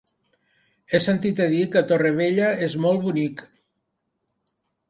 He sentit a dir que Torrevella és molt bonic.